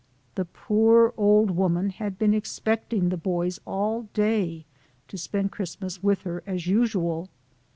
The poor old woman had been expect ing the boys all day, to spend Christinas with her as usual.